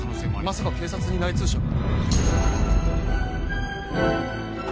まさか警察に内通者が？